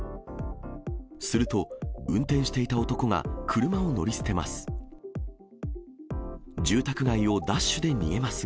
すると、運転していた男が車を乗り捨てます。